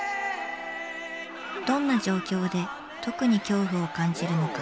どんな状況で特に恐怖を感じるのか？